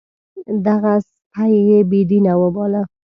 دغه سپی یې بې دینه وباله.